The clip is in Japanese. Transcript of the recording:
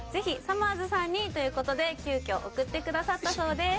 さまぁずさんに！ということで急きょ送ってくださったそうです